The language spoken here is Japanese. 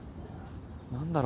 何だろう？